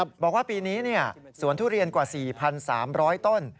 บอกว่าปีนี้สวนทุเรียนกว่า๔๓๐๐ต้น